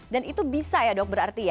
dan itu bisa ya dok berarti ya